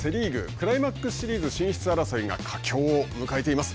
クライマックスシリーズ進出争いが、佳境を迎えています。